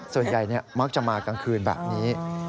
ส่วนใหญ่มักจะมากลางคืนแบบนี้